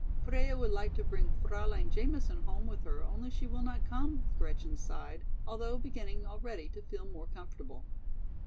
"Freia would like to bring FrauleinFraulein Jamisen home with her only she will not come." Gretchen sighed, although beginning already to feel more comfortable.